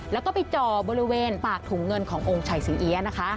แล้วก็ไปจ่อบริเวณปากถุงเงินขององค์ชัยศรีเอี๊ยะนะคะ